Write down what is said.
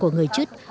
của người chất